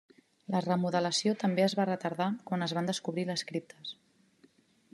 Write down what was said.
La remodelació també es va retardar quan es van descobrir les criptes.